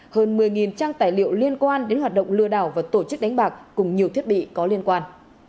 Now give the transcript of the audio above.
hơn một mươi trang tài liệu liên quan đến hoạt động lừa đảo và tổ chức đánh bạc cùng nhiều thiết bị có liên quan